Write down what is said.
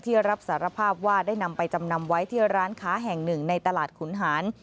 รับสารภาพว่าได้นำไปจำนำไว้ที่ร้านค้าแห่งหนึ่งในตลาดขุนหาร